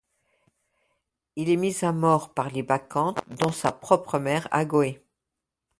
Il est mis à mort par les Bacchantes, dont sa propre mère, Agaue.